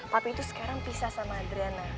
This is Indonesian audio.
tapi itu sekarang pisah sama adriana